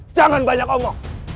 jangan banyak omong